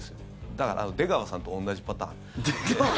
だから出川さんと同じパターン。